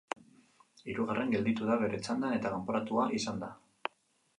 Hirugarren gelditu da bere txandan eta kanporatua izan da.